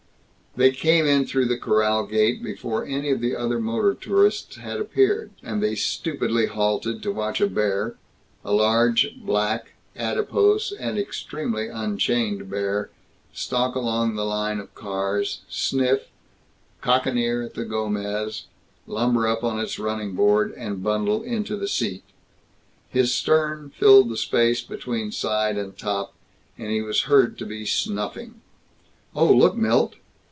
They came in through the corral gate before any of the other motor tourists had appeared and they stupidly halted to watch a bear, a large, black, adipose and extremely unchained bear, stalk along the line of cars, sniff, cock an ear at the Gomez, lumber up on its running board, and bundle into the seat. His stern filled the space between side and top, and he was to be heard snuffing. "Oh! Look! Milt!